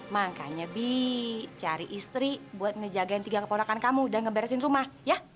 makanya bi cari istri buat ngejagain tiga keponakan kamu dan ngeberesin rumah ya